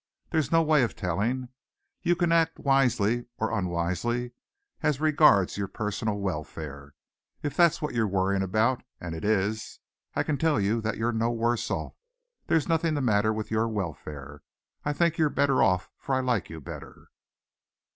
There is no way of telling. You can only act wisely or unwisely as regards your personal welfare. If that's what you're worrying about, and it is, I can tell you that you're no worse off. There's nothing the matter with your welfare. I think you're better off, for I like you better."